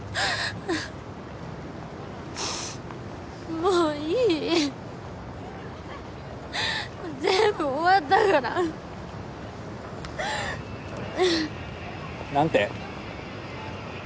もういい全部終わったから何て？